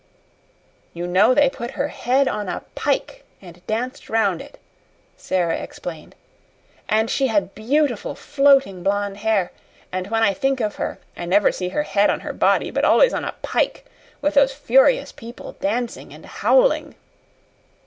"You know they put her head on a pike and danced round it," Sara explained. "And she had beautiful floating blonde hair; and when I think of her, I never see her head on her body, but always on a pike, with those furious people dancing and howling."